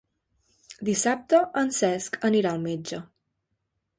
Dissabte en Cesc anirà al metge.